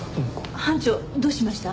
班長どうしました？